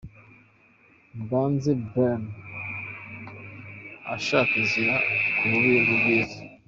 Mbanze Bryan ashaka inzira ku bubi n'ubwiza.